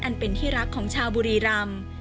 อันเป็นที่รักของชาวบุรีรำ